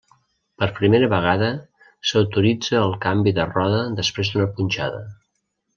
Per primera vegada s'autoritza el canvi de roda després d'una punxada.